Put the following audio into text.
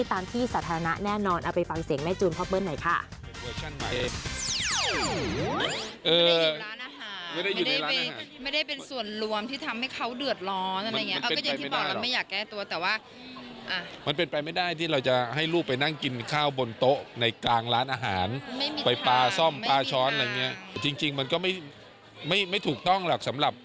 ตามที่สาธารณะแน่นอนเอาไปฟังเสียงแม่จูนพ่อเปิ้ลหน่อยค่ะ